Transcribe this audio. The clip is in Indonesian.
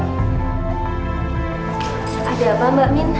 ada apa mbak min